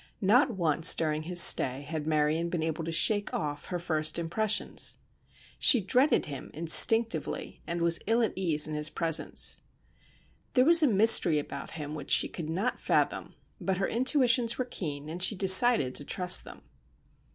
Not once during his stay had Marion been able to shake off her first impressions. She dreaded him instinctively, and was ill at ease in his presence. There was a mystery about him which she could not fathom—but her intuitions were keen, and she decided to trust them.